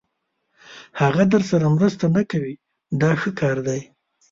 هغه درسره مرسته نه کوي دا ښه کار دی.